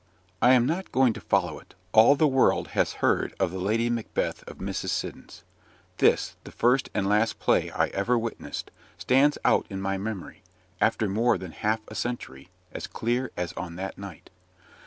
I am not going to follow it: all the world has heard of the Lady Macbeth of Mrs. Siddons. This, the first and last play I ever witnessed, stands out to my memory, after more than half a century, as clear as on that night.